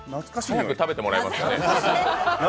早く食べてもらえますかね。